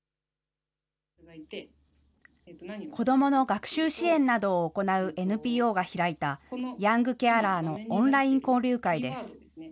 子どもの学習支援などを行うＮＰＯが開いたヤングケアラーのオンライン交流会です。